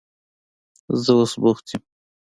زه اوس بوخت یم.